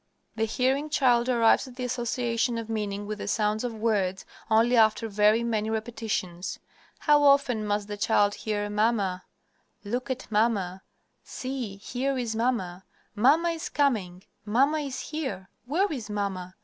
The hearing child arrives at the association of meaning with the sounds of words only after very many repetitions. How often must the child hear "Mamma," "Look at mamma," "See, here is mamma," "Mamma is coming," "Mamma is here," "Where is mamma?"